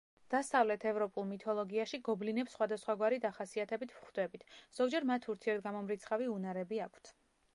დასავლეთ ევროპულ მითოლოგიაში გობლინებს სხვადასხვაგვარი დახასიათებით ვხვდებით, ზოგჯერ მათ ურთიერთგამომრიცხავი უნარები აქვთ.